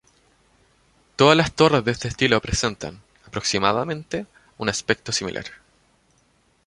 Todas las torres de este estilo presentan, aproximadamente, un aspecto similar.